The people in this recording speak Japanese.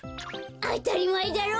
あたりまえだろ。